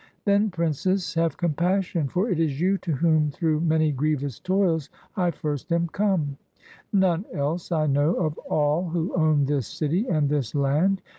Then, princess, have compassion, for it is you to whom through many grievous toils I first am come; none else I know of all who own this city and this land.